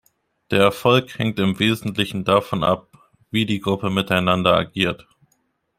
Der Erfolg hängt im Wesentlichen davon ab, wie die Gruppe miteinander agiert.